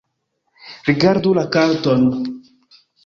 Rigardu la karton